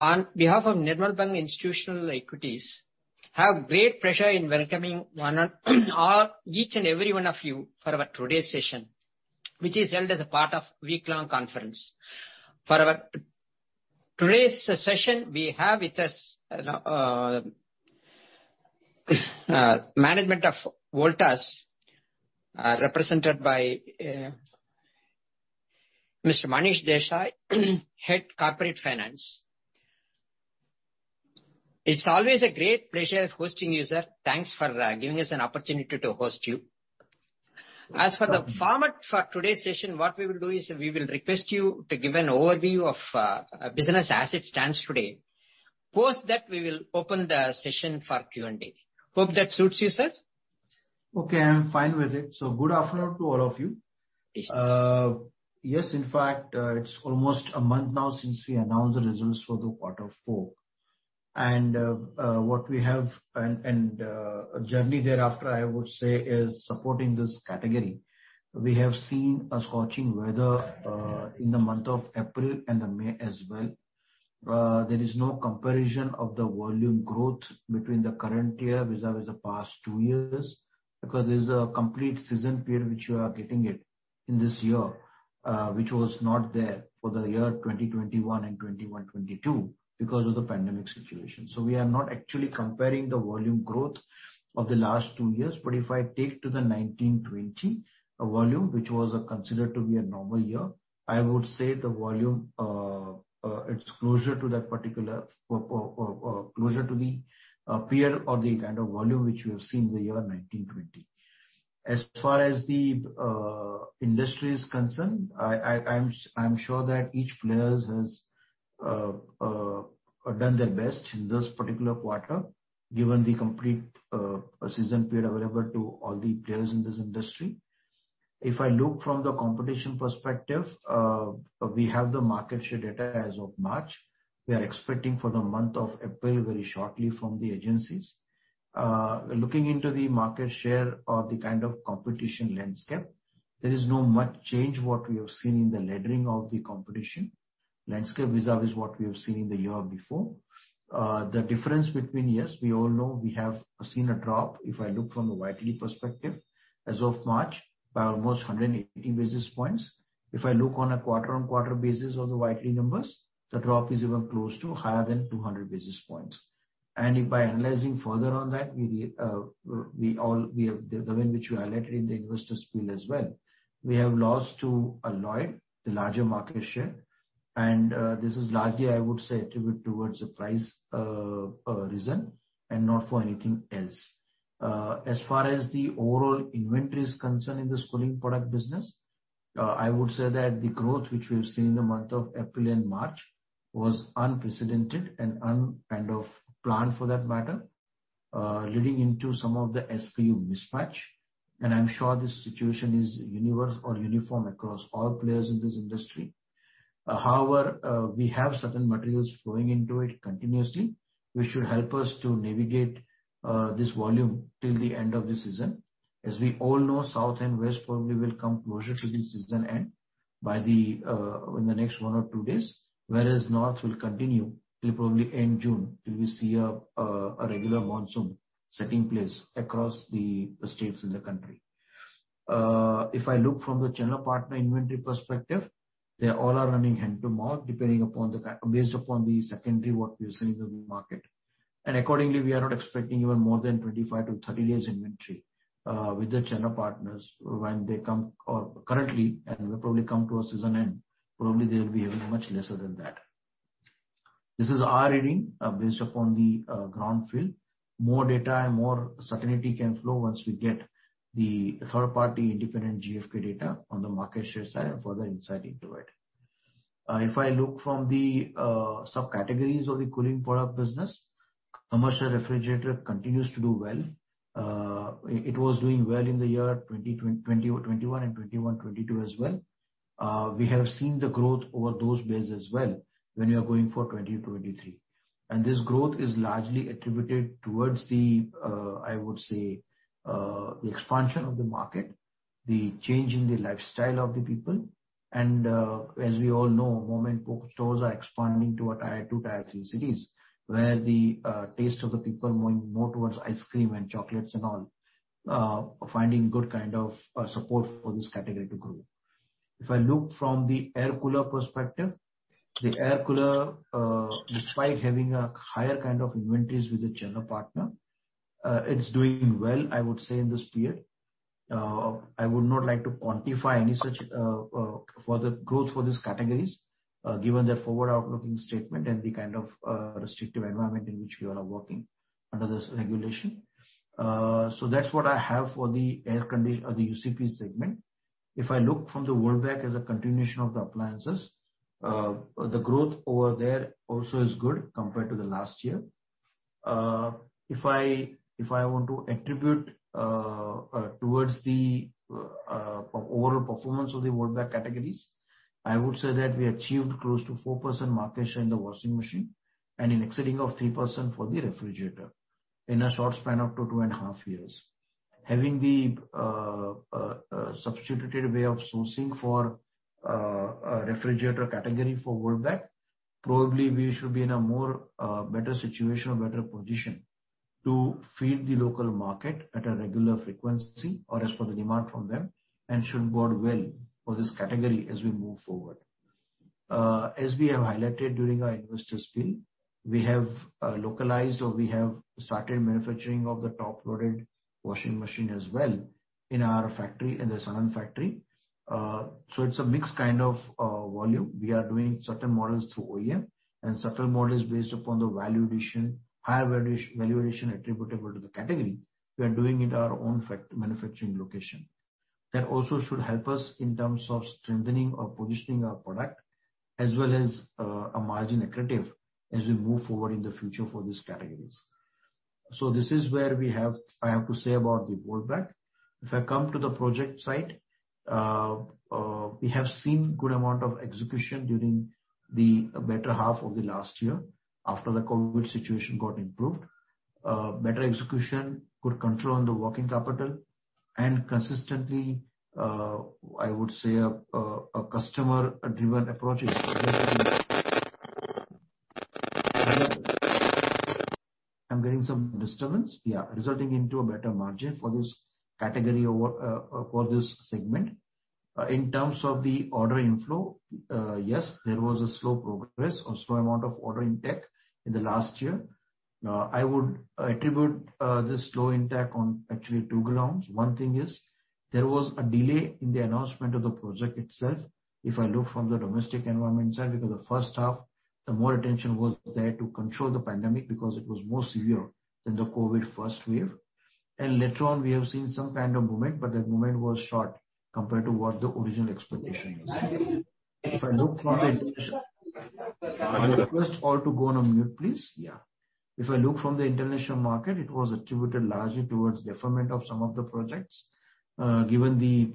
On behalf of Nirmal Bang Institutional Equities, have great pleasure in welcoming one and all, each and every one of you for our today's session, which is held as a part of week-long conference. For our today's session, we have with us management of Voltas, represented by Mr. Manish Desai, Head Corporate Finance. It's always a great pleasure hosting you, sir. Thanks for giving us an opportunity to host you. As for the format for today's session, what we will do is we will request you to give an overview of business as it stands today. Post that, we will open the session for Q&A. Hope that suits you, sir. Okay, I'm fine with it. Good afternoon to all of you. Yes. Yes. In fact, it's almost a month now since we announced the results for the quarter four. What we have and journey thereafter, I would say is supporting this category. We have seen a scorching weather in the month of April and May as well. There is no comparison of the volume growth between the current year vis-a-vis the past 2 years, because there's a complete season period which we are getting it in this year, which was not there for the year 2021 and 2022 because of the pandemic situation. We are not actually comparing the volume growth of the last 2 years. If I take to the 2019-2020 volume, which was considered to be a normal year, I would say the volume it's closer to that particular period or the kind of volume which we have seen in the year 2019-2020. As far as the industry is concerned, I'm sure that each players has done their best in this particular quarter, given the complete season period available to all the players in this industry. If I look from the competition perspective, we have the market share data as of March. We are expecting for the month of April very shortly from the agencies. Looking into the market share or the kind of competition landscape, there is not much change what we have seen in the laddering of the competition landscape vis-à-vis what we have seen in the year before. The difference between, yes, we all know we have seen a drop. If I look from the YoY perspective as of March by almost 180 basis points. If I look on a quarter-on-quarter basis of the YoY numbers, the drop is even close to higher than 200 basis points. By analyzing further on that, the way in which we highlighted in the investors field as well, we have lost to Lloyd, the larger market share. This is largely, I would say, attributed towards the price reason and not for anything else. As far as the overall inventory is concerned in the cooling product business, I would say that the growth which we have seen in the month of April and March was unprecedented and unplanned for that matter, leading into some of the SKU mismatch. I'm sure this situation is universal or uniform across all players in this industry. However, we have certain materials flowing into it continuously, which should help us to navigate this volume till the end of the season. As we all know, South and West probably will come closer to the season end by in the next one or two days. Whereas North will continue till probably end June, till we see a regular monsoon taking place across the states in the country. If I look from the channel partner inventory perspective, they all are running hand to mouth, based upon the secondary what we are seeing in the market. Accordingly, we are not expecting even more than 25-30 days inventory with the channel partners when they come or currently and will probably come to a season end, probably they'll be having much lesser than that. This is our reading, based upon the ground field. More data and more certainty can flow once we get the third party independent GfK data on the market share side and further insight into it. If I look from the subcategories of the cooling product business, commercial refrigerator continues to do well. It was doing well in the year 2021 and 2022 as well. We have seen the growth over those bases as well when we are going for 2023. This growth is largely attributed towards the, I would say, the expansion of the market, the change in the lifestyle of the people. As we all know, mom-and-pop stores are expanding to Tier II, Tier III cities, where the taste of the people moving more towards ice cream and chocolates and all, finding good kind of support for this category to grow. If I look from the air cooler perspective, the air cooler, despite having a higher kind of inventories with the channel partner, it's doing well, I would say in this period. I would not like to quantify any such, further growth for these categories, given their forward-looking statement and the kind of restrictive environment in which we all are working under this regulation. That's what I have for the UCP segment. If I look from the Voltas as a continuation of the appliances, the growth over there also is good compared to the last year. If I want to attribute towards the overall performance of the Voltas Beko categories, I would say that we achieved close to 4% market share in the washing machine and exceeding 3% for the refrigerator in a short span of 2.5 years. Having the substitutive way of sourcing for a refrigerator category for Voltas Beko, probably we should be in a more better situation or better position to feed the local market at a regular frequency or as per the demand from them, and should bode well for this category as we move forward. As we have highlighted during our investors' meet, we have localized or we have started manufacturing of the top-loaded washing machine as well in our factory, in the Sanand factory. It's a mixed kind of volume. We are doing certain models through OEM and certain models based upon the value addition, higher valuation attributable to the category, we are doing it our own manufacturing location. That also should help us in terms of strengthening or positioning our product, as well as a margin-accretive as we move forward in the future for these categories. This is where I have to say about the Voltas Beko. If I come to the project side, we have seen good amount of execution during the better half of the last year after the COVID situation got improved. Better execution, good control on the working capital, and consistently I would say a customer-driven approach is. I'm getting some disturbance. Yeah, resulting into a better margin for this category or work for this segment. In terms of the order inflow, yes, there was a slow progress or slow amount of order intake in the last year. I would attribute this slow intake on actually two grounds. One thing is there was a delay in the announcement of the project itself, if I look from the domestic environment side, because the first half, the more attention was there to control the pandemic because it was more severe than the COVID first wave. Later on we have seen some kind of movement, but that movement was short compared to what the original expectation was. I request all to go on mute, please. If I look from the international market, it was attributed largely towards deferment of some of the projects, given the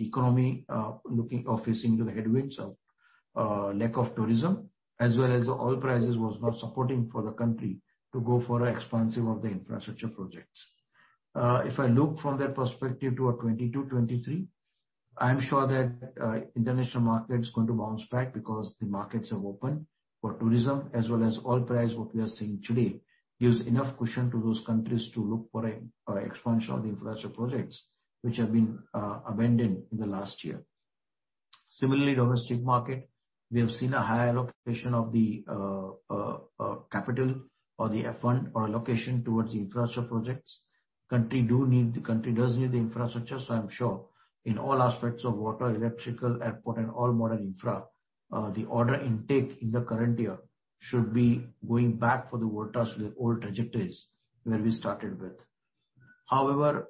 economy looking or facing the headwinds of lack of tourism, as well as the oil prices was not supporting for the country to go for an expansion of the infrastructure projects. If I look from that perspective to 2022, 2023, I am sure that international market is going to bounce back because the markets have opened for tourism as well as oil price, what we are seeing today, gives enough cushion to those countries to look for an expansion of the infrastructure projects which have been abandoned in the last year. Similarly, domestic market, we have seen a high allocation of capital towards the infrastructure projects. The country does need the infrastructure, so I'm sure in all aspects of water, electrical, airport, and all modern infra, the order intake in the current year should be going back for the old trajectories where we started with. However,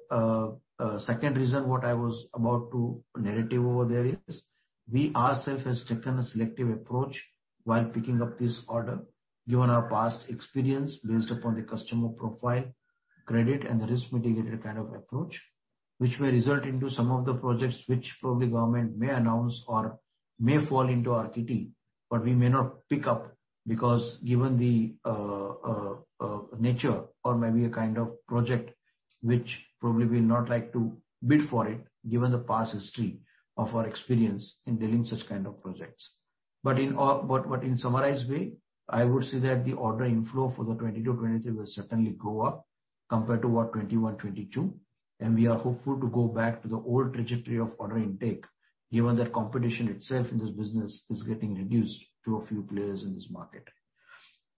second reason what I was about to narrate over there is we ourselves has taken a selective approach while picking up this order given our past experience based upon the customer profile, credit, and the risk mitigated kind of approach, which may result into some of the projects which probably government may announce or may fall into our kitty, but we may not pick up because given the nature or maybe a kind of project which probably we'll not like to bid for it given the past history of our experience in dealing such kind of projects. In summarized way, I would say that the order inflow for the 2022, 2023 will certainly go up compared to what 2021, 2022. We are hopeful to go back to the old trajectory of order intake given that competition itself in this business is getting reduced to a few players in this market.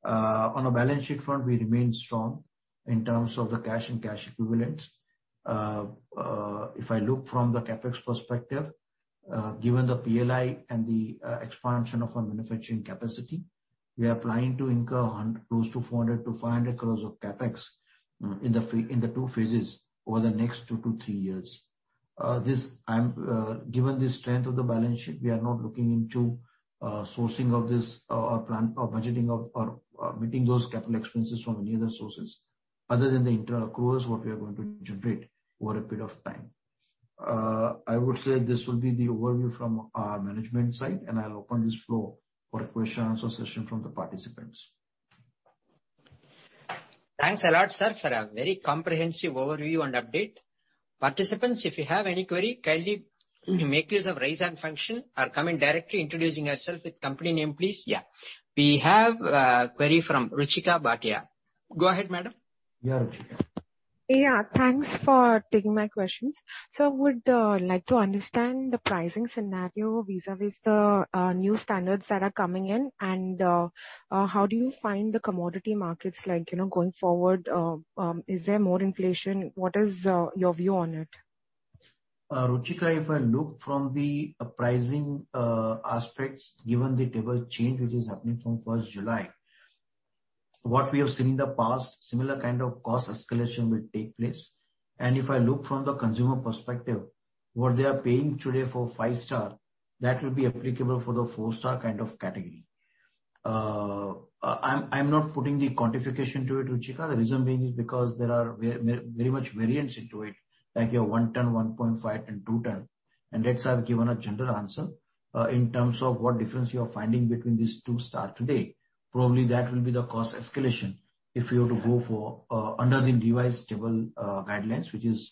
On a balance sheet front, we remain strong in terms of the cash and cash equivalents. If I look from the CapEx perspective, given the PLI and the expansion of our manufacturing capacity, we are planning to incur close to 400-500 of CapEx in the two phases over the next 2 to 3 years. Given the strength of the balance sheet, we are not looking into sourcing of this plan or budgeting or meeting those capital expenditures from any other sources other than the internal accruals what we are going to generate over a bit of time. I would say this will be the overview from our management side, and I'll open the floor for a question-answer session from the participants. Thanks a lot, sir, for a very comprehensive overview and update. Participants, if you have any query, kindly make use of raise hand function or come in directly introducing yourself with company name, please. Yeah. We have a query from Ruchika Bhatia. Go ahead, madam. Yeah, Ruchika. Yeah, thanks for taking my questions. Would like to understand the pricing scenario vis-à-vis the new standards that are coming in, and how do you find the commodity markets like, you know, going forward? Is there more inflation? What is your view on it? Ruchika, if I look from the pricing aspects, given the table change which is happening from 1 July, what we have seen in the past, similar kind of cost escalation will take place. If I look from the consumer perspective, what they are paying today for five-star, that will be applicable for the four-star kind of category. I'm not putting the quantification to it, Ruchika. The reason being is because there are very much variance into it, like your 1 ton, 1.5 and 2 ton. That's I've given a general answer. In terms of what difference you are finding between these two stars today, probably that will be the cost escalation if you have to go for under the revised table guidelines, which is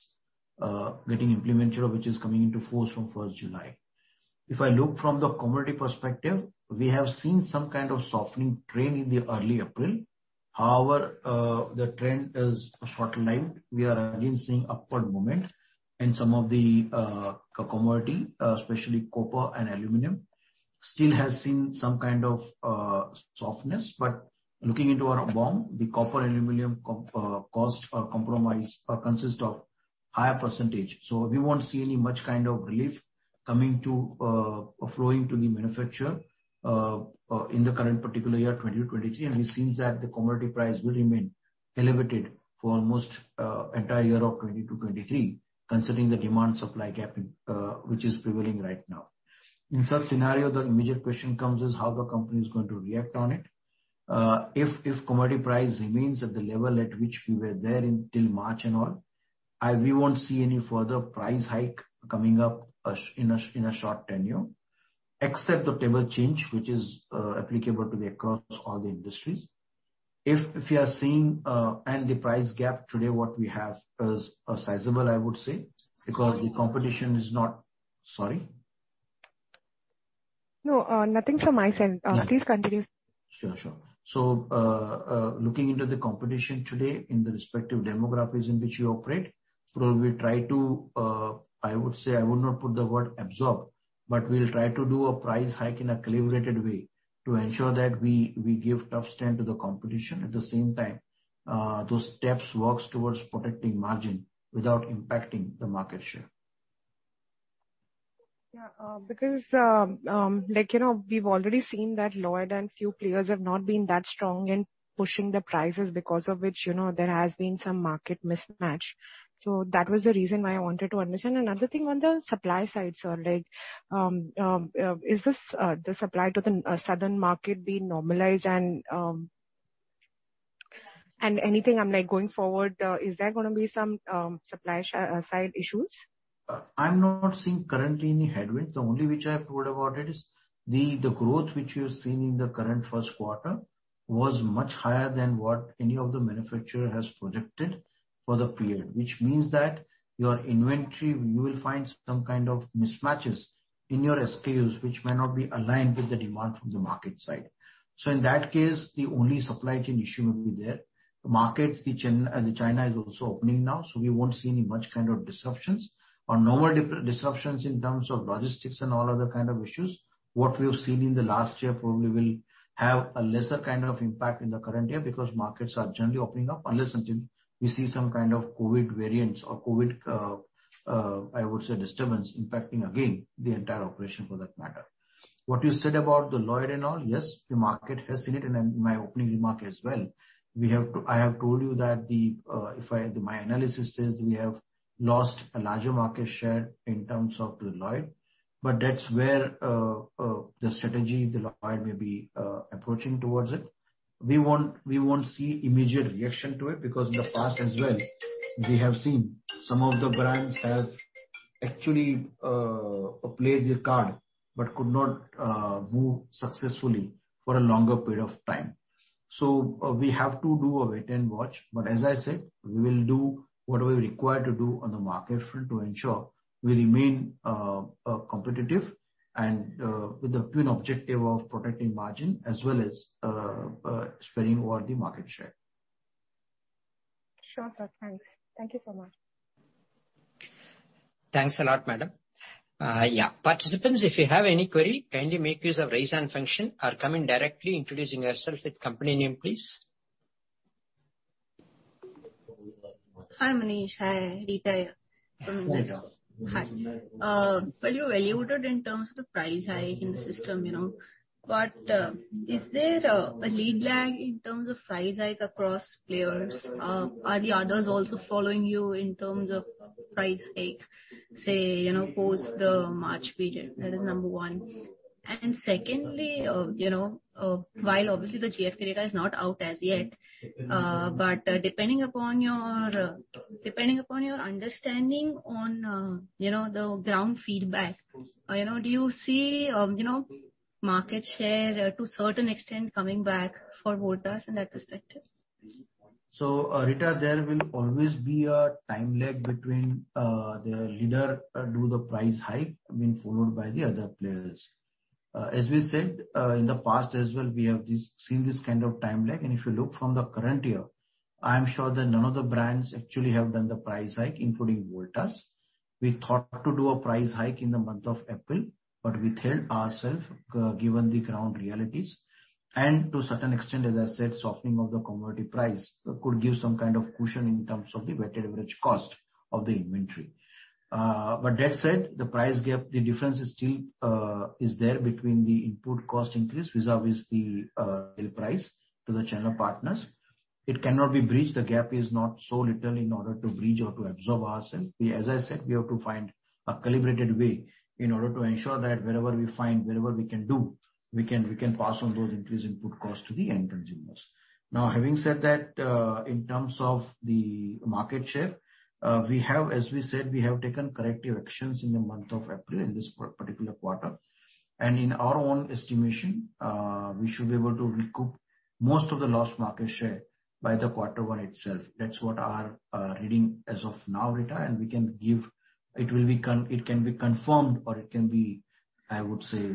getting implemented, which is coming into force from 1 July. If I look from the commodity perspective, we have seen some kind of softening trend in the early April. However, the trend is short-lived. We are again seeing upward movement and some of the commodity, especially copper and aluminum, still has seen some kind of softness. But looking into our BOM, the copper-aluminum content consists of higher percentage, so we won't see any much kind of relief coming to or flowing to the manufacturer in the current particular year, 2023. It seems that the commodity price will remain elevated for almost entire year of 2022 to 2023, considering the demand-supply gap which is prevailing right now. In such scenario, the immediate question comes is how the company is going to react on it. If commodity price remains at the level at which we were there until March and all, we won't see any further price hike coming up in a short tenure, except the table change which is applicable across all the industries. If you are seeing the price gap today, what we have is sizable, I would say, because the competition is not. Sorry? No, nothing from my side. Please continue, sir. Sure. Looking into the competition today in the respective demographics in which we operate, we try to, I would say, I would not put the word absorb, but we'll try to do a price hike in a calibrated way to ensure that we give tough stance to the competition. At the same time, those steps works towards protecting margin without impacting the market share. Yeah, because, like, you know, we've already seen that Lloyd and few players have not been that strong in pushing the prices, because of which, you know, there has been some market mismatch. That was the reason why I wanted to understand. Another thing on the supply side, sir, like, is this the supply to the southern market being normalized and anything like going forward is there gonna be some supply side issues? I'm not seeing currently any headwinds. The only which I have heard about it is the growth which you're seeing in the current first quarter was much higher than what any of the manufacturer has projected for the period. Which means that your inventory, you will find some kind of mismatches in your SKUs, which may not be aligned with the demand from the market side. In that case, the only supply chain issue will be there. The markets, China is also opening now, so we won't see any much kind of disruptions or normal disruptions in terms of logistics and all other kind of issues. What we have seen in the last year probably will have a lesser kind of impact in the current year because markets are generally opening up, unless and until we see some kind of COVID variants or COVID, I would say, disturbance impacting again the entire operation for that matter. What you said about the Lloyd and all, yes, the market has seen it, and in my opening remark as well. I have told you that My analysis says we have lost a larger market share in terms of the Lloyd, but that's where the strategy the Lloyd may be approaching towards it. We won't see immediate reaction to it, because in the past as well we have seen some of the brands have actually played the card but could not move successfully for a longer period of time. We have to do a wait and watch, but as I said, we will do what we require to do on the market front to ensure we remain competitive and with the twin objective of protecting margin as well as spreading over the market share. Sure, sir. Thanks. Thank you so much. Thanks a lot, madam. Yeah, participants, if you have any query, kindly make use of raise hand function or come in directly introducing yourself with company name, please. Hi, Manish. Hi. Rita here from IndiGo. Hi? Hi. Well, you alluded in terms of the price hike in the system, you know, but is there a lead lag in terms of price hike across players? Are the others also following you in terms of price hike, say, you know, post the March period? That is number one. Secondly, while obviously the GfK data is not out as yet, but depending upon your understanding on the ground feedback, you know, do you see market share to a certain extent coming back for Voltas in that perspective? Rita, there will always be a time lag between the leader do the price hike, being followed by the other players. As we said in the past as well, we have seen this kind of time lag. If you look from the current year, I am sure that none of the brands actually have done the price hike, including Voltas. We thought to do a price hike in the month of April, but we held ourselves given the ground realities. To a certain extent, as I said, softening of the commodity price could give some kind of cushion in terms of the weighted average cost of the inventory. But that said, the price gap, the difference is still there between the input cost increase vis-a-vis the sale price to the channel partners. It cannot be bridged. The gap is not so little in order to bridge or to absorb ourselves. We, as I said, we have to find a calibrated way in order to ensure that wherever we find, wherever we can do, we can pass on those increased input costs to the end consumers. Now, having said that, in terms of the market share, we have, as we said, we have taken corrective actions in the month of April in this particular quarter. In our own estimation, we should be able to recoup most of the lost market share by the quarter one itself. That's what our reading as of now data. It can be confirmed or it can be, I would say,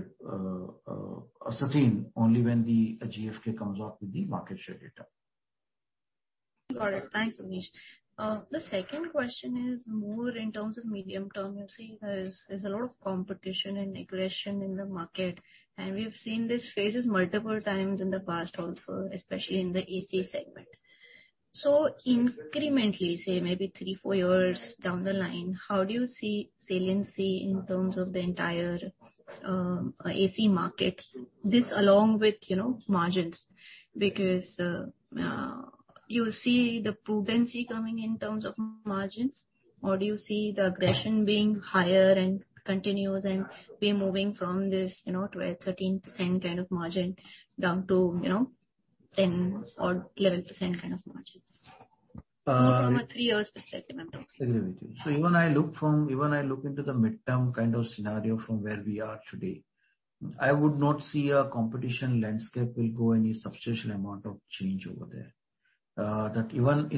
ascertained only when the GfK comes out with the market share data. Got it. Thanks, Manish. The second question is more in terms of medium term. You see, there's a lot of competition and aggression in the market, and we've seen these phases multiple times in the past also, especially in the AC segment. Incrementally, say maybe 3, 4 years down the line, how do you see saliency in terms of the entire AC market? This along with, you know, margins. Because you see the prudence coming in terms of margins, or do you see the aggression being higher and continuous and we're moving from this, you know, 12%, 13% kind of margin down to, you know, 10% or 11% kind of margins? Over a 3-year perspective, I'm talking. Agree with you. Even I look into the midterm kind of scenario from where we are today, I would not see a competition landscape will go any substantial amount of change over there. Even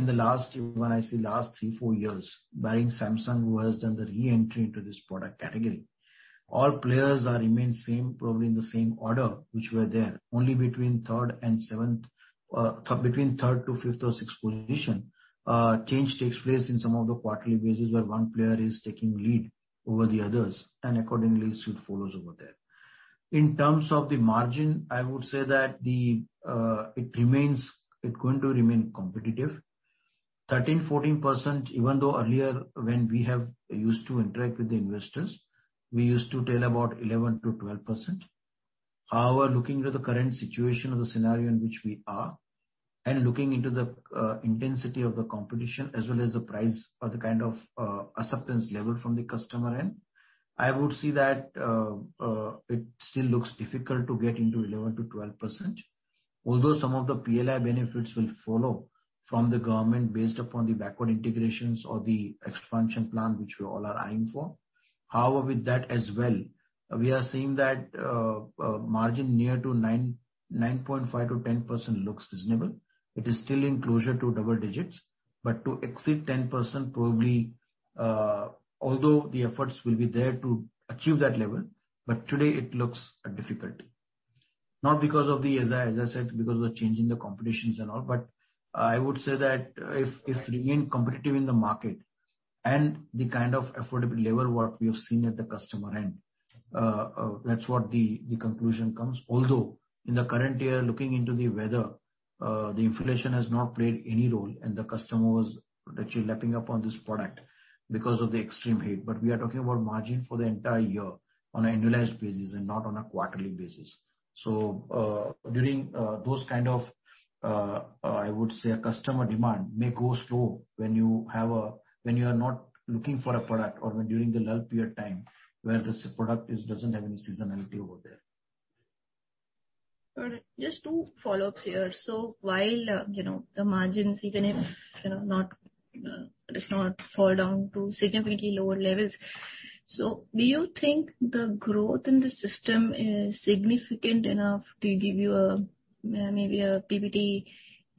when I see last 3, 4 years, barring Samsung who has done the re-entry into this product category, all players are remain same, probably in the same order which were there. Only between third and seventh, between third to fifth or sixth position, change takes place in some of the quarterly basis, where one player is taking lead over the others, and accordingly suit follows over there. In terms of the margin, I would say that it remains. It's going to remain competitive. 13%-14%, even though earlier when we have used to interact with the investors, we used to tell about 11%-12%. However, looking into the current situation or the scenario in which we are, and looking into the intensity of the competition as well as the price or the kind of acceptance level from the customer end, I would say that it still looks difficult to get into 11%-12%. Although some of the PLI benefits will follow from the government based upon the backward integrations or the expansion plan which we all are eyeing for. However, with that as well, we are seeing that margin near to 9.5%-10% looks reasonable. It is still in closer to double digits. To exceed 10% probably, although the efforts will be there to achieve that level, but today it looks difficult. Not because, as I said, because of the change in the competition and all, but I would say that if remain competitive in the market and the kind of affordable level what we have seen at the customer end, that's what the conclusion comes. Although in the current year, looking into the weather, the inflation has not played any role and the customer was actually lapping up on this product because of the extreme heat. We are talking about margin for the entire year on an annualized basis and not on a quarterly basis. During those kind of, I would say customer demand may go slow when you are not looking for a product or during the lull period time where this product doesn't have any seasonality over there. Got it. Just two follow-ups here. While, you know, the margins even if, you know, not, does not fall down to significantly lower levels, do you think the growth in the system is significant enough to give you a, maybe a PBT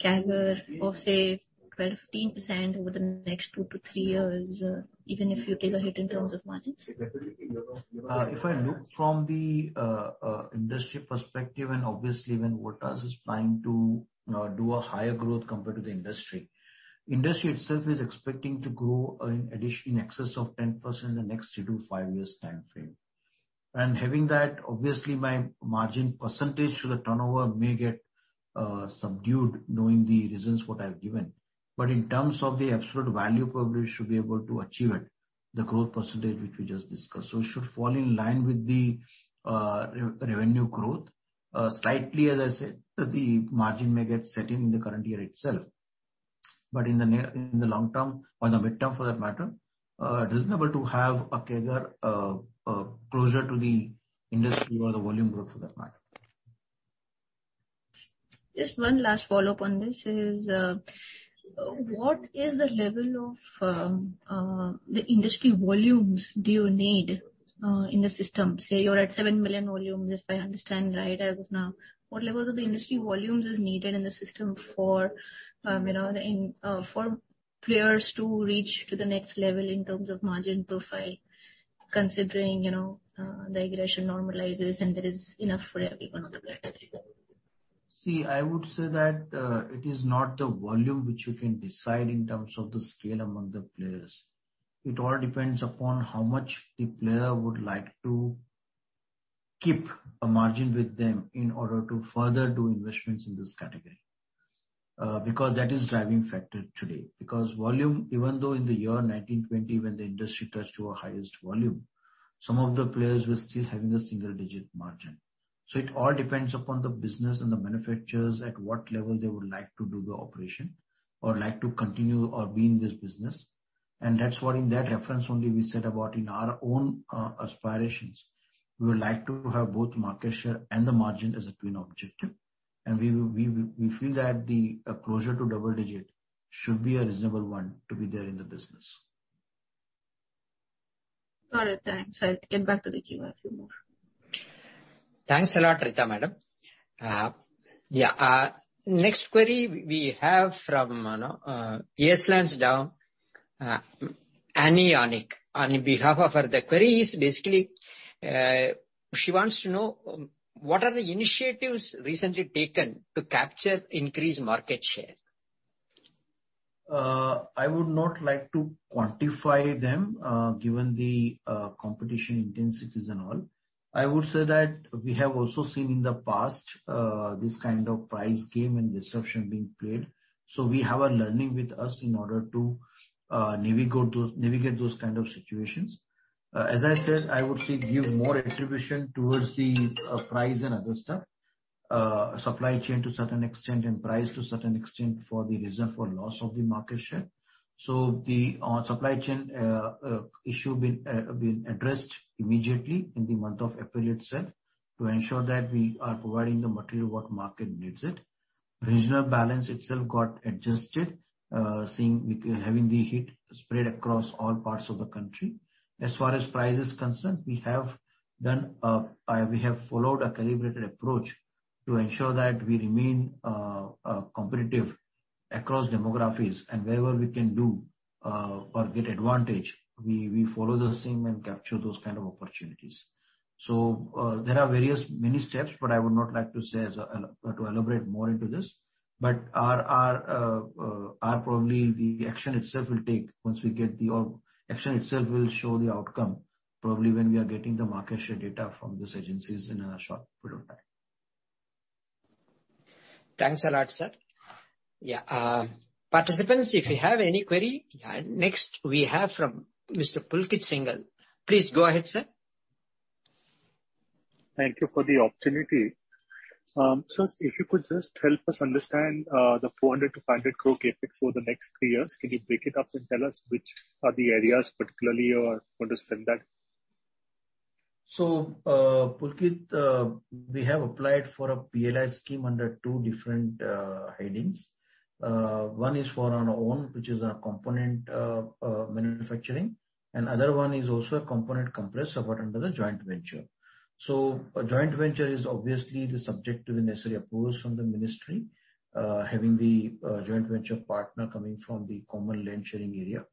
CAGR of say 12%-15% over the next 2-3 years, even if you take a hit in terms of margins? If I look from the industry perspective, and obviously when Voltas is planning to do a higher growth compared to the industry. Industry itself is expecting to grow in excess of 10% in the next 3-5 years timeframe. Having that, obviously my margin percentage to the turnover may get subdued knowing the reasons what I've given. In terms of the absolute value, probably we should be able to achieve it, the growth percentage which we just discussed. It should fall in line with the revenue growth. Slightly, as I said, the margin may get set in the current year itself. In the near, in the long term, or in the midterm for that matter, reasonable to have a CAGR closer to the industry or the volume growth for that matter. Just one last follow-up on this is, what is the level of the industry volumes do you need in the system? Say you're at 7 million volumes, if I understand right, as of now. What levels of the industry volumes is needed in the system for, you know, for players to reach to the next level in terms of margin profile, considering, you know, the aggression normalizes and there is enough for everyone on the table? See, I would say that it is not the volume which you can decide in terms of the scale among the players. It all depends upon how much the player would like to keep a margin with them in order to further do investments in this category. Because that is driving factor today. Because volume, even though in the year 2019-20 when the industry touched to a highest volume, some of the players were still having a single-digit margin. It all depends upon the business and the manufacturers, at what level they would like to do the operation or like to continue or be in this business. That's what, in that reference only we said about in our own aspirations, we would like to have both market share and the margin as a twin objective. We feel that the closer to double-digit should be a reasonable one to be there in the business. All right, thanks. I'll get back to the queue a few more. Thanks a lot, Rita madam. Yeah. Next query we have from Yeslands Down, Anionic. On behalf of her, the query is basically she wants to know what are the initiatives recently taken to capture increased market share. I would not like to quantify them, given the competition intensities and all. I would say that we have also seen in the past this kind of price game and disruption being played. We have a learning with us in order to navigate those kind of situations. As I said, I would say give more attribution towards the price and other stuff, supply chain to certain extent and price to certain extent for the reason for loss of the market share. The supply chain issue been addressed immediately in the month of April itself to ensure that we are providing the material what market needs it. Regional balance itself got adjusted, seeing we having the heat spread across all parts of the country. As far as price is concerned, we have followed a calibrated approach to ensure that we remain competitive across demographics and wherever we can get advantage, we follow the same and capture those kind of opportunities. There are various many steps, but I would not like to elaborate more into this. Our action itself will show the outcome probably when we are getting the market share data from these agencies in a short period of time. Thanks a lot, sir. Yeah. Participants, if you have any query. Next, we have from Mr. Pulkit Patni. Please go ahead, sir. Thank you for the opportunity. Sir, if you could just help us understand the 400-500 crore CapEx over the next three years. Can you break it up and tell us which are the areas particularly you are going to spend that? Pulkit Patni, we have applied for a PLI scheme under two different headings. One is for our own, which is our component manufacturing, and other one is also a component compressor, but under the joint venture. A joint venture is obviously subject to the necessary approvals from the ministry, having the joint venture partner coming from China.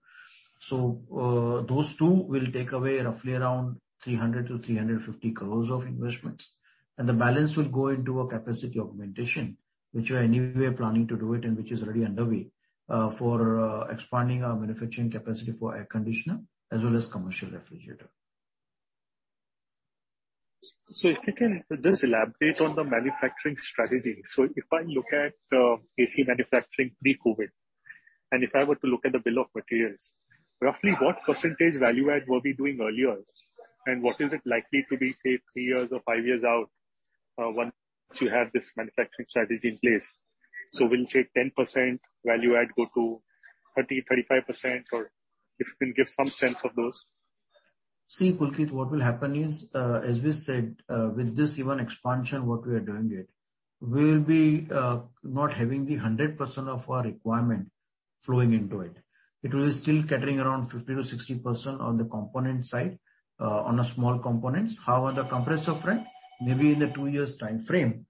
Those two will take away roughly around 300 crore-350 crore of investments. The balance will go into a capacity augmentation, which we are anyway planning to do it and which is already underway, for expanding our manufacturing capacity for air conditioner as well as commercial refrigerator. If you can just elaborate on the manufacturing strategy. If I look at AC manufacturing pre-COVID, and if I were to look at the bill of materials, roughly what percentage value add were we doing earlier? What is it likely to be, say, 3 years or 5 years out, once you have this manufacturing strategy in place? Will, say, 10% value add go to 30%-35%, or if you can give some sense of those. See, Pulkit, what will happen is, as we said, with this even expansion what we are doing it, we will be not having 100% of our requirement flowing into it. It will still catering around 50%-60% on the component side, on small components. However, the compressor front, maybe in the 2-year timeframe,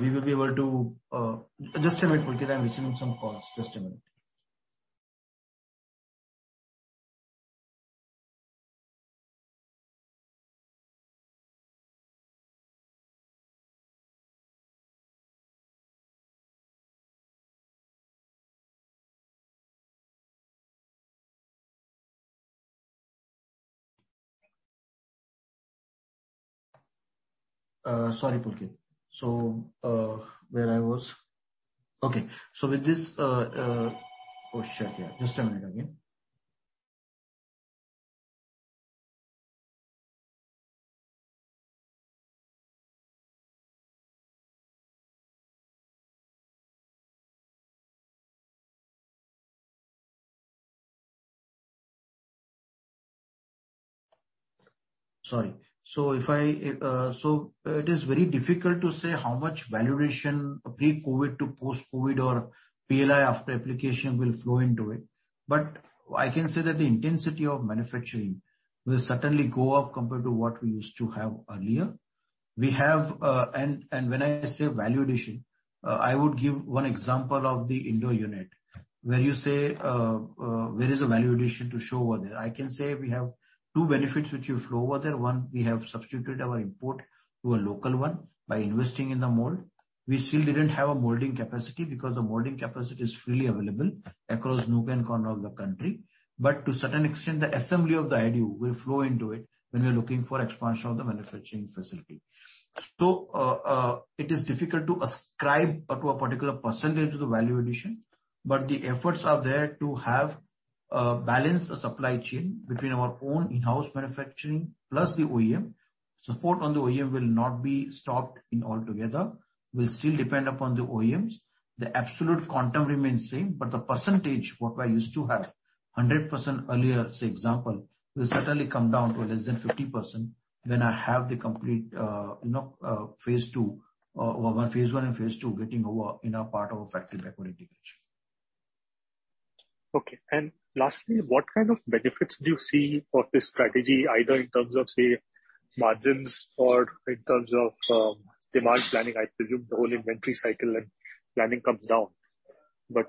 we will be able to. Just a minute, Pulkit. I'm on some calls. Just a minute. Sorry, Pulkit. Where was I? Okay. With this. Oh, shit, yeah. Just a minute again. Sorry. It is very difficult to say how much valuation pre-COVID to post-COVID or PLI after application will flow into it. I can say that the intensity of manufacturing will certainly go up compared to what we used to have earlier. When I say value addition, I would give one example of the indoor unit, where you say, where is the value addition shown over there. I can say we have two benefits which will flow over there. One, we have substituted our import to a local one by investing in the mold. We still didn't have a molding capacity because the molding capacity is freely available across nook and corner of the country. To a certain extent, the assembly of the IDU will flow into it when we are looking for expansion of the manufacturing facility. It is difficult to ascribe a particular percentage to the value addition, but the efforts are there to balance the supply chain between our own in-house manufacturing plus the OEM. Support on the OEM will not be stopped altogether. We'll still depend upon the OEMs. The absolute quantum remains same, but the percentage what I used to have, 100% earlier, as example, will certainly come down to a less than 50% when I have the complete, you know, phase two or my phase one and phase two getting over in our part of factory backward integration. Okay. Lastly, what kind of benefits do you see for this strategy, either in terms of, say, margins or in terms of, demand planning? I presume the whole inventory cycle and planning comes down.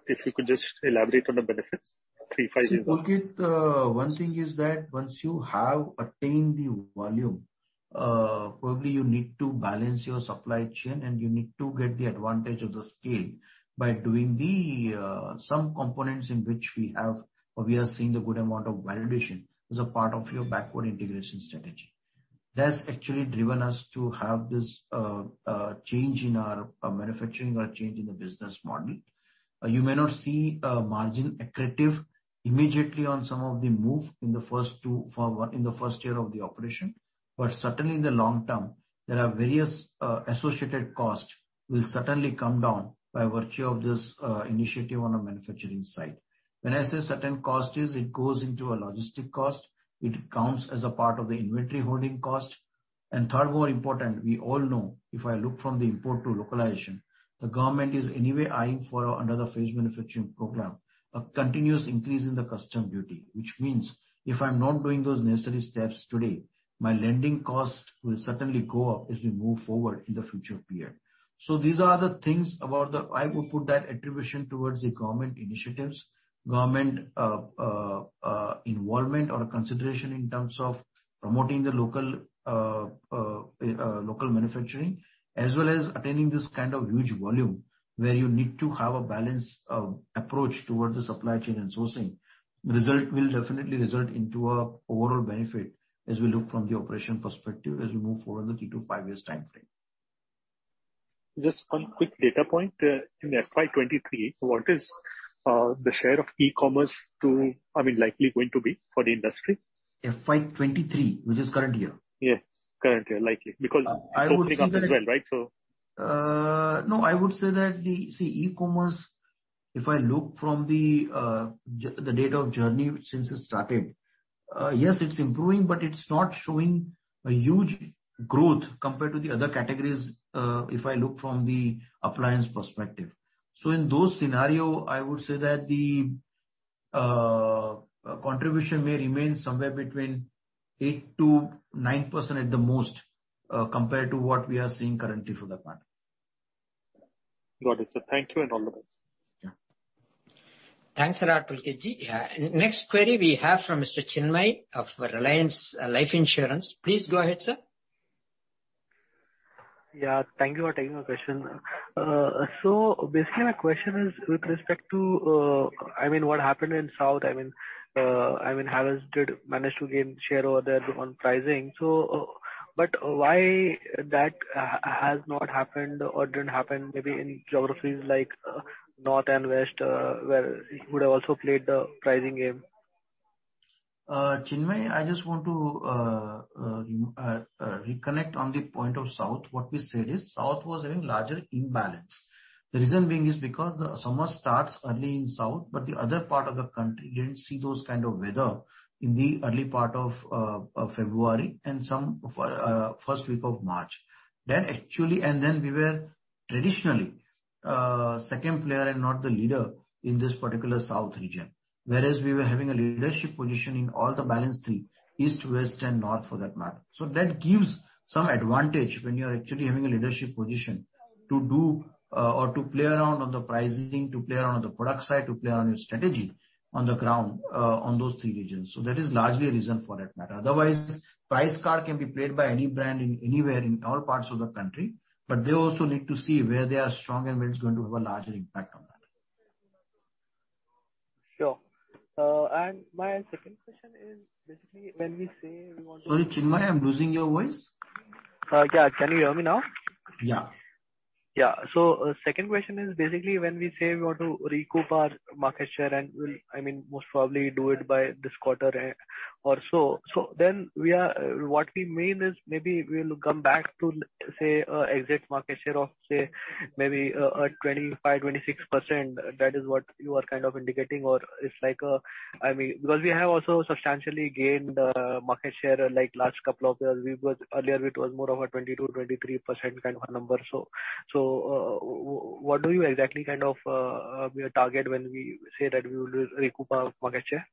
If you could just elaborate on the benefits, 3-5 years down. See, Pulkit, one thing is that once you have attained the volume, probably you need to balance your supply chain and you need to get the advantage of the scale by doing some components in which we have or we are seeing the good amount of validation as a part of your backward integration strategy. That's actually driven us to have this change in our manufacturing or change in the business model. You may not see a margin accretive immediately on some of the move in the first year of the operation. But certainly in the long term there are various associated costs will certainly come down by virtue of this initiative on a manufacturing side. When I say certain cost is, it goes into a logistics cost. It counts as a part of the inventory holding cost. Third, more important, we all know if I look from the import to localization, the government is anyway eyeing for another Phased Manufacturing Programme, a continuous increase in the customs duty. Which means if I'm not doing those necessary steps today, my landed cost will certainly go up as we move forward in the future period. These are the things about I would put that attribution towards the government initiatives, government involvement or consideration in terms of promoting the local manufacturing. As well as attaining this kind of huge volume where you need to have a balanced approach towards the supply chain and sourcing. The result will definitely result into a overall benefit as we look from the operational perspective as we move forward in the 3-5 years timeframe. Just one quick data point. In FY 23, what is the share of e-commerce, I mean, likely going to be for the industry? FY 2023, which is current year? Yes. Current year, likely. I would say that it. Because it's opening up as well, right? No, I would say that. See, e-commerce, if I look from the data of journey since it started, yes, it's improving, but it's not showing a huge growth compared to the other categories, if I look from the appliance perspective. In those scenario, I would say that the contribution may remain somewhere between 8%-9% at the most, compared to what we are seeing currently for that matter. Got it, sir. Thank you and all the best. Yeah. Thanks a lot, Pulkit ji. Next query we have from Mr. Chinmay of Reliance Nippon Life Insurance. Please go ahead, sir. Yeah. Thank you for taking my question. Basically my question is with respect to, I mean, what happened in South. I mean, Haier did manage to gain share over there on pricing. Why that has not happened or didn't happen maybe in geographies like, North and West, where you could have also played the pricing game? Chinmay, I just want to reconnect on the point of South. What we said is South was having larger imbalance. The reason being is because the summer starts early in South, but the other part of the country didn't see those kind of weather in the early part of February and some of first week of March. Actually, we were traditionally second player and not the leader in this particular South region. Whereas we were having a leadership position in all the balance three, East, West and North for that matter. That gives some advantage when you are actually having a leadership position to do, or to play around on the pricing, to play around on the product side, to play around your strategy on the ground, on those three regions. That is largely a reason for that matter. Otherwise, price card can be played by any brand in anywhere in all parts of the country, but they also need to see where they are strong and where it's going to have a larger impact on that. Sure. My second question is basically when we say we want to. Sorry, Chinmay, I'm losing your voice. Yeah. Can you hear me now? Yeah. Second question is basically when we say we want to recoup our market share, and we'll, I mean, most probably do it by this quarter, or so. What we mean is maybe we'll come back to say, exact market share of, say, maybe, 25-26%. That is what you are kind of indicating or it's like, I mean, because we have also substantially gained market share, like last couple of years. Earlier it was more of a 20-23% kind of a number. What do you exactly kind of target when we say that we will recoup our market share?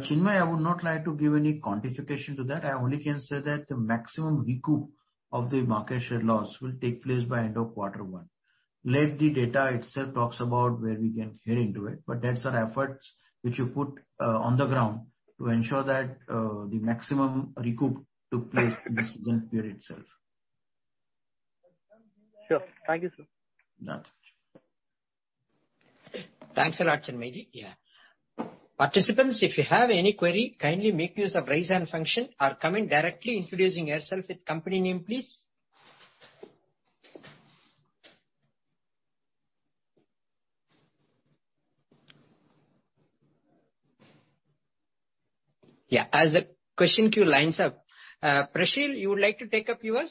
Chinmay, I would not like to give any quantification to that. I only can say that the maximum recoup of the market share loss will take place by end of quarter one. Let the data itself talks about where we can get into it, but that's our efforts which we put on the ground to ensure that the maximum recoup took place in this given period itself. Sure. Thank you, sir. Yeah. Thanks a lot, Chinmay ji. Yeah. Participants, if you have any query, kindly make use of Raise Hand function or come in directly introducing yourself with company name, please. Yeah. As the question queue lines up, Prashil, you would like to take up yours?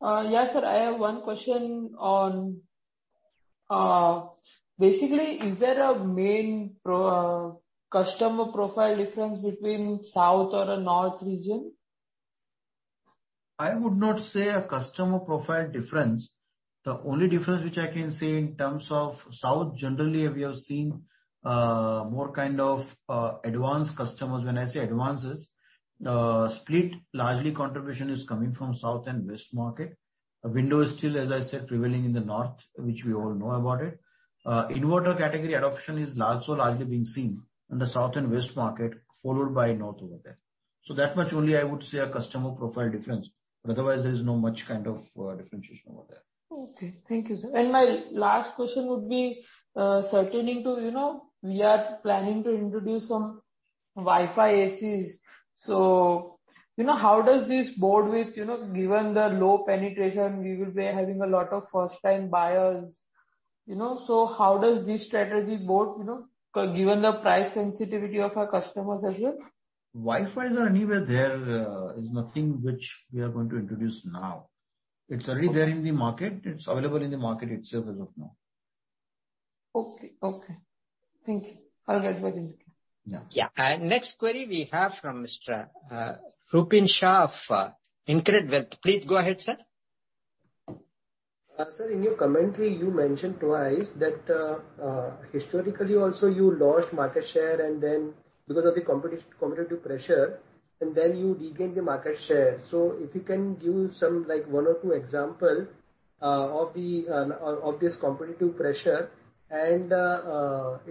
Yes, sir, I have one question on basically, is there a main customer profile difference between south or the north region? I would not say a customer profile difference. The only difference which I can say in terms of south, generally, we have seen more kind of advanced customers. When I say advanced is split largely contribution is coming from south and west market. A window is still, as I said, prevailing in the north, which we all know about it. Inverter category adoption is large, so largely being seen in the south and west market, followed by north over there. That much only I would say a customer profile difference, but otherwise there is no much kind of differentiation over there. Okay. Thank you, sir. My last question would be pertaining to, you know, we are planning to introduce some Wi-Fi ACs. You know, how does this bode with, you know, given the low penetration, we will be having a lot of first-time buyers, you know. How does this strategy bode, you know, given the price sensitivity of our customers as well? Wi-Fi's are everywhere. There is nothing which we are going to introduce now. It's already there in the market. It's available in the market itself as of now. Okay. Okay. Thank you. I'll get back. Yeah. Yeah. Next query we have from Mr. Rupin Shah of InCred Wealth. Please go ahead, sir. Sir, in your commentary, you mentioned twice that, historically also, you lost market share, and then because of the competitive pressure, and then you regain the market share. If you can give some like one or two example of this competitive pressure, and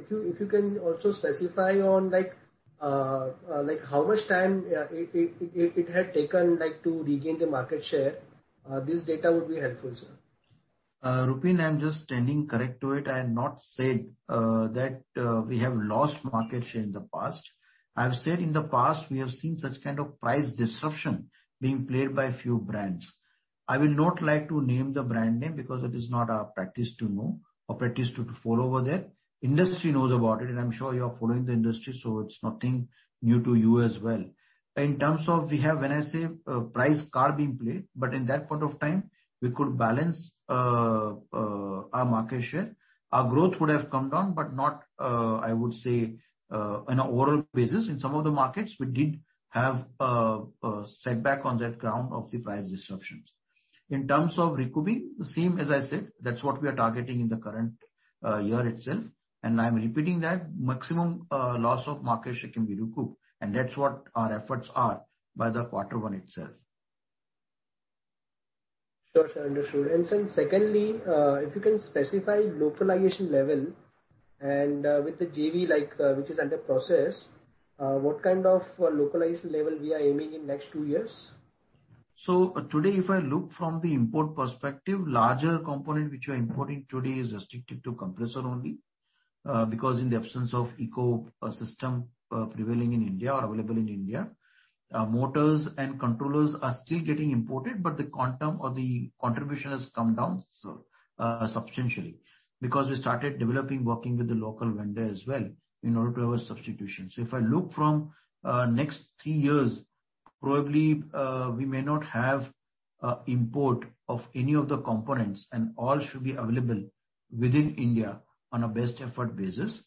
if you can also specify on like how much time it had taken, like, to regain the market share, this data would be helpful, sir. Rupin, I'm just standing correct to it. I have not said that we have lost market share in the past. I've said in the past we have seen such kind of price disruption being played by a few brands. I will not like to name the brand name because it is not our practice to know or practice to follow over there. Industry knows about it, and I'm sure you are following the industry, so it's nothing new to you as well. In terms of we have, when I say price card being played, but in that point of time, we could balance our market share. Our growth would have come down, but not I would say in an overall basis. In some of the markets, we did have setback on that ground of the price disruptions. In terms of recouping, the same as I said, that's what we are targeting in the current year itself. I'm repeating that maximum loss of market share can be recouped, and that's what our efforts are by the quarter one itself. Sure, sir. Understood. Sir, secondly, if you can specify localization level and, with the JV like, which is under process, what kind of localization level we are aiming in next two years? Today, if I look from the import perspective, larger component which we are importing today is restricted to compressor only. Because in the absence of ecosystem prevailing in India or available in India, motors and controllers are still getting imported, but the quantum or the contribution has come down so substantially because we started developing working with the local vendor as well in order to have a substitution. If I look from next three years, probably, we may not have import of any of the components and all should be available within India on a best effort basis.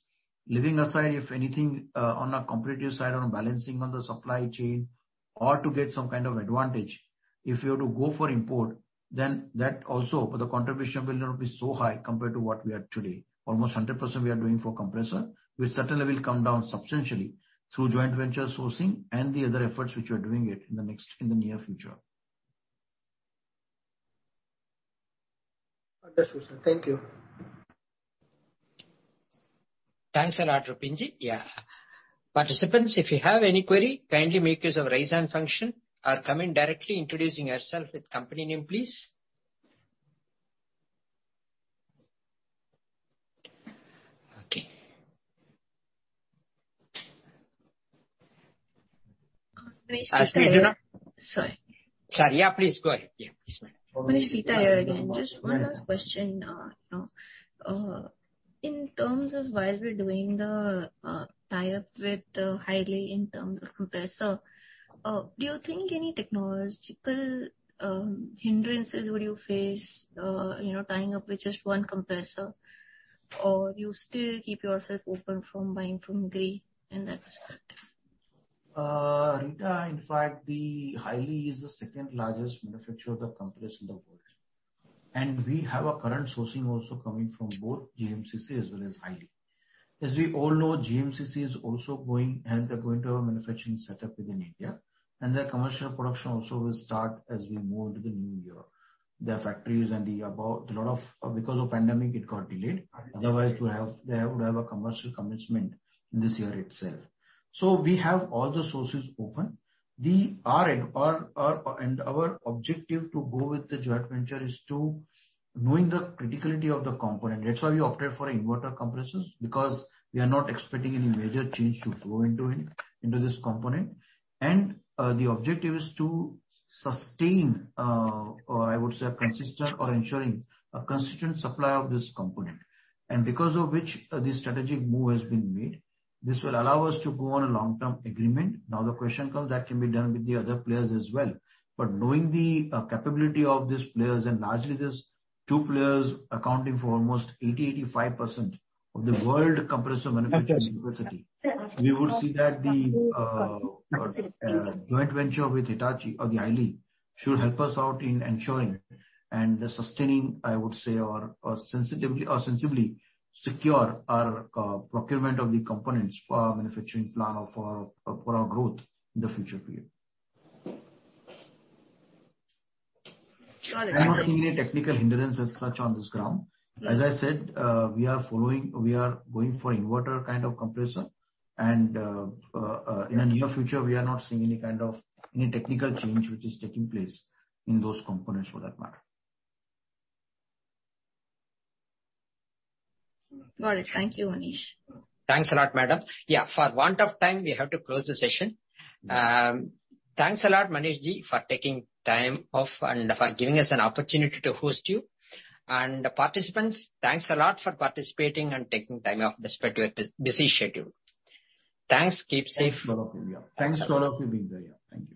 Leaving aside, if anything, on a competitive side, on balancing on the supply chain or to get some kind of advantage, if you have to go for import, then that also the contribution will not be so high compared to what we are today. Almost 100% we are doing for compressor, which certainly will come down substantially through joint venture sourcing and the other efforts which we are doing it in the near future. Understood, sir. Thank you. Thanks a lot, Rupin Shah. Yeah. Participants, if you have any query, kindly make use of Raise Hand function or come in directly introducing yourself with company name, please. Okay. Manish, Sita here. Sorry. Yeah, please go ahead. Yeah. Manish Desai, Sita here again. Just one last question. You know, in terms of while we're doing the tie-up with Haier in terms of compressor, do you think any technological hindrances would you face, you know, tying up with just one compressor? Or you still keep yourself open from buying from Gree in that perspective? Rita, in fact, the Haier is the second largest manufacturer of the compressor in the world. We have a current sourcing also coming from both GMCC as well as Haier. As we all know, GMCC is also going, and they're going to have a manufacturing setup within India, and their commercial production also will start as we move into the new year. Their factories and the above, a lot of, because of pandemic, it got delayed. Otherwise, they would have a commercial commencement in this year itself. We have all the sources open. Our objective to go with the joint venture is to knowing the criticality of the component. That's why we opted for inverter compressors because we are not expecting any major change to go into it, into this component. The objective is to sustain, I would say consistent or ensuring a consistent supply of this component. Because of which, this strategic move has been made. This will allow us to go on a long-term agreement. Now the question comes that can be done with the other players as well. But knowing the capability of these players, and largely these two players accounting for almost 80%-85% of the world compressor manufacturing capacity. Sir. We would see that the joint venture with Highly or Haier should help us out in ensuring and sustaining, I would say, or sensitively or sensibly secure our procurement of the components for our manufacturing plan for our growth in the future period. Got it. I'm not seeing a technical hindrance as such on this ground. As I said, we are going for inverter kind of compressor. In the near future, we are not seeing any kind of technical change which is taking place in those components for that matter. Got it. Thank you, Manish. Thanks a lot, madam. Yeah, for want of time, we have to close the session. Thanks a lot, Manish Ji, for taking time off and for giving us an opportunity to host you. Participants, thanks a lot for participating and taking time off the schedule, busy schedule. Thanks. Keep safe. Thanks to all of you. Thanks to all of you for being there. Thank you.